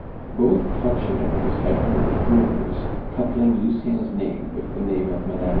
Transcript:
Both functionaries had heard rumors coupling Lucien's name with the name of Mme.